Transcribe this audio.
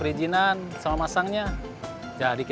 dibanding dikerjain semuanya sendiri